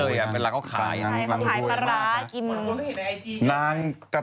เพราะว่าคุณปัญญาก็มาคุยกับพี่ตุ๊กกี้ว่าเราอยากให้โอกาสลองเด็กใหม่มามีบทบาท